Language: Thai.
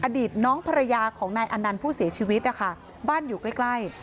อดีตน้องภรรยาของนายอันนันทว์ผู้เสียชีวิตบ้านอยู่ใกล้